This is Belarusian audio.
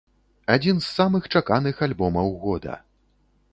Адзін з самых чаканых альбомаў года.